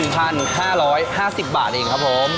๕๐บาทเองครับผม